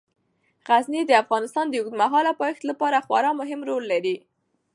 غزني د افغانستان د اوږدمهاله پایښت لپاره خورا مهم رول لري.